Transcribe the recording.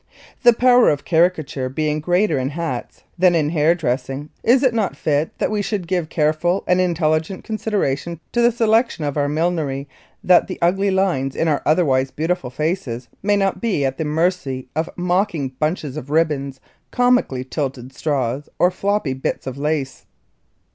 The power of caricature being greater in hats than in hair dressing, is it not fit that we should give careful and intelligent consideration to the selection of our millinery that the ugly lines in our otherwise beautiful faces may not be at the mercy of mocking bunches of ribbons, comically tilted straws, or floppy bits of lace?